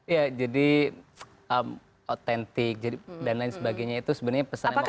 ya jadi autentik dan lain sebagainya itu sebenarnya pesan yang mau kami sampaikan